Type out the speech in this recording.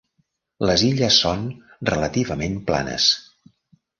Les illes són relativament planes.